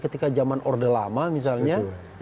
ketika zaman orde lama misalnya